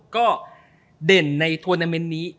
ก็เด่นในทวีร์แมนนี้